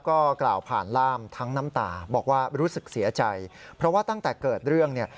ก็กล่าวผ่านล่ามทั้งน้ำตาบอกว่ารู้สึกเสียใจเพราะว่าตั้งแต่เกิดเรื่องเนี่ย